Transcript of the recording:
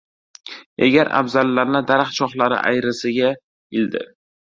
Egar-abzallarni daraxt shoxlari ayrisiga ildi.